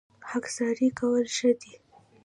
خاکساري کول ښه دي